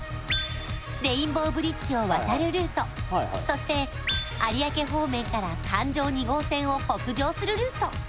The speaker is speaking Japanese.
レインボーブリッジを渡るルートそして有明方面から環状２号線を北上するルート